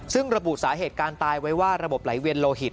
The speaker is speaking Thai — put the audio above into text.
ซึ่งระบุสาเหตุการตายไว้ว่าระบบไหลเวียนโลหิต